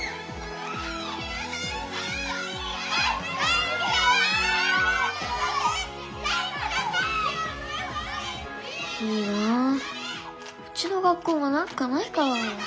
いいなうちの学校もなんかないかな。